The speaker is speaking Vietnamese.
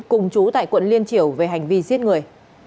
cùng chú tại quận liên triểu về hành vi giết người